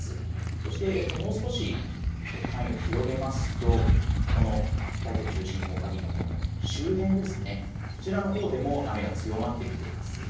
そして、もう少し範囲を広げますとこの台風中心のほかにも周辺ですねこちらのほうでも雨が強まってきています。